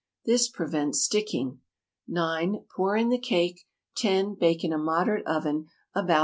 This prevents sticking. 9. Pour in the cake. 10. Bake in a moderate oven about 35 minutes.